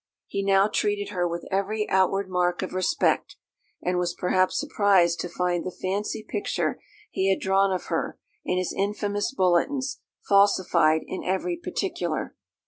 He now treated her with every outward mark of respect, and was perhaps surprised to find the fancy picture he had drawn of her, in his infamous bulletins, falsified in every particular.